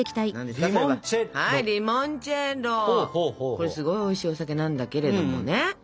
これすごいおいしいお酒なんだけれどもね。